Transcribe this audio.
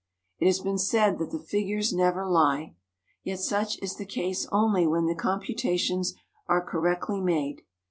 It has been said that figures never lie; yet such is the case only when the computations are correctly made.